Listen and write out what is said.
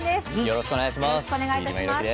よろしくお願いします。